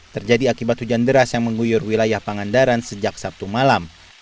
terjadi akibat hujan deras yang mengguyur wilayah pangandaran sejak sabtu malam